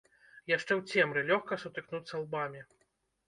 Яшчэ ў цемры лёгка сутыкнуцца лбамі.